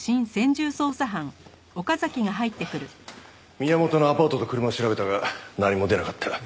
宮本のアパートと車を調べたが何も出なかった。